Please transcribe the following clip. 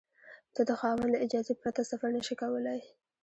ته د خاوند له اجازې پرته سفر نشې کولای.